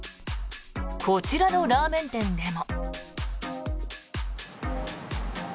こちらのラーメン店でも。